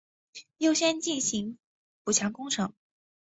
优先进行补强工程